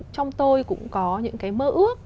trong tôi cũng có những cái mơ ước